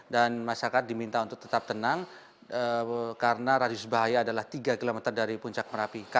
dan masyarakat diminta untuk tetap tenang karena radius bahaya adalah tiga km dari puncak merapi